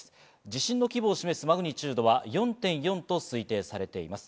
地震の規模を示すマグニチュードは４．４と推定されています。